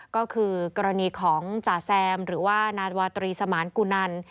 ก็คือกรณีของจ่าแซมหรือว่านาวาตรีสมานกุนัน